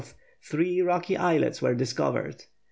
three rocky islets were discovered.